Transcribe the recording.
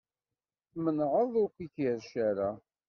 Tmenɛeḍ ur k-ikerrec ara.